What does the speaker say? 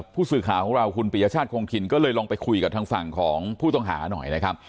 ผู้สื่อข่าวของเราคุณปริยชาติคงถิ่นก็เลยลองไปคุยกับทางฝั่งของผู้ต้องหาหน่อยนะครับ